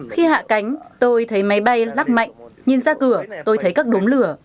khi hạ cánh tôi thấy máy bay lắc mạnh nhìn ra cửa tôi thấy các đốm lửa